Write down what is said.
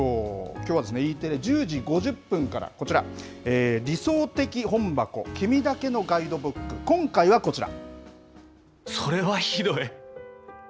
きょうはＥテレ１０時５０分から、こちら、理想的本箱君だけのガそれはひどい。